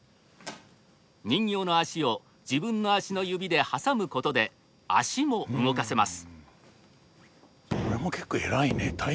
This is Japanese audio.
人形の足を自分の足の指で挟むことで足も動かせます。